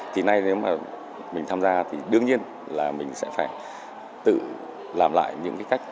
thì nay nếu mà mình tham gia thì đương nhiên là mình sẽ phải tự làm lại những cái cách